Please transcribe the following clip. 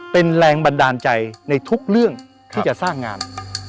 เป็นแรงบันดาลใจในทุกเรื่องที่จะสร้างงาน